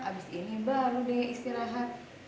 abis ini baru deh istirahat